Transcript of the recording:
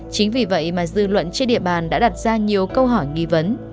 chính vì vậy mà dư luận trên địa bàn đã đặt ra nhiều câu hỏi nghi vấn